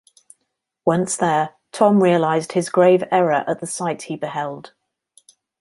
Once there, Tom realised his grave error at the sight he beheld.